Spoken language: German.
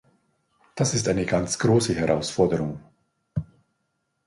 Das ist eine ganz große Herausforderung.